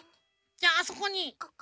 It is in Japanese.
じゃああそこに。